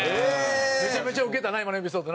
めちゃめちゃウケたな今のエピソードな。